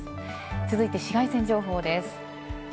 続いて紫外線情報です。